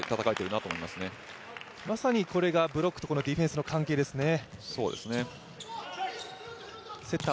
これがまさにブロックとディフェンスの関係ですね。